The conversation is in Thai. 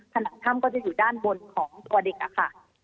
ผนังถ้ำก็จะอยู่ด้านบนของตัวเด็กค่ะ